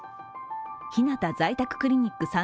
ひなた在宅クリニック